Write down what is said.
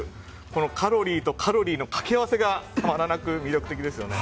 このカロリーとカロリーの掛け合わせがたまらなく魅力的ですよね。